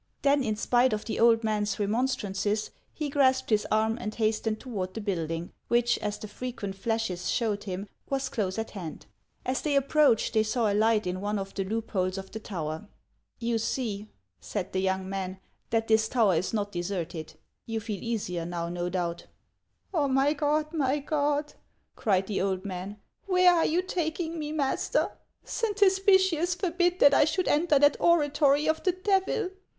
Then, in spite of the old man's remonstrances, he grasped his arm and hastened toward the building, which, as the frequent flashes showed him, was close at hand. As they approached, they saw a light in one of the loop holes of the tower. "You see," said the young man, "that this tower is not deserted. You feel easier now, no doubt." " Oh, my God ! my God !" cried the old man, " where are you taking me, master ? Saint Hospitius forbid that I should enter that oratory of the Devil